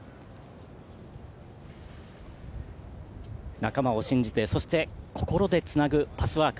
仲間を信じてそして心でつなぐパスワーク。